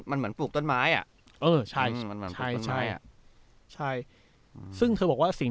มันเหมือนปลูกต้นไม้อ่ะเออใช่ใช่อ่ะใช่ซึ่งเธอบอกว่าสิ่ง